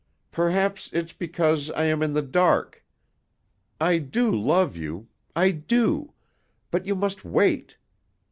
Perhaps it's because I am in the dark. I do love you. I do. But you must wait.